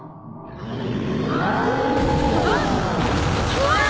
うわっ！？